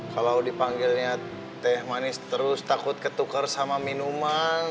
kalau dipanggilnya teh manis terus takut ketukar sama minuman